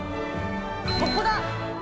◆ここだ。